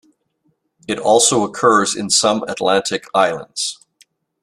It also occurs in some Atlantic islands.